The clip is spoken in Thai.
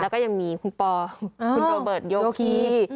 แล้วก็ยังมีคุณปอมคุณโรเบิร์ตโยคี